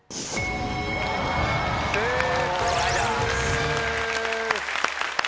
正解です。